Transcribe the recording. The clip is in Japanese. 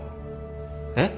えっ？